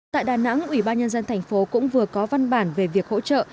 tại đà nẵng ủy ban nhân dân thành phố cũng vừa có văn bản về việc hỗ trợ